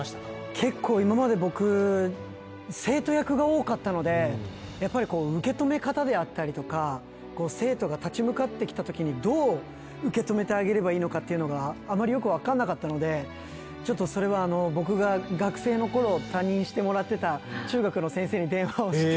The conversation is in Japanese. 結構今まで僕、生徒役が多かったので、やっぱり受け止め方であったりとか、生徒が立ち向かってきたときに、どう受け止めてあげればいいのかというのが、あまりよく分かんなかったので、ちょっとそれは僕が学生のころ、担任してもらってた中学の先生に電話をして。